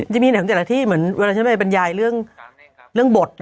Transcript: มันจะมีอย่างเกี่ยวกับที่เหมือนเวลาฉันได้บรรยายเรื่องบท